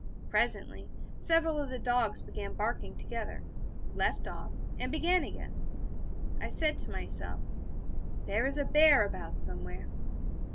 Presently, several of the dogs began barking together, left off, and began again. I said to myself; 'There is a bear about somewhere.'